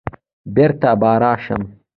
بېرته به راشم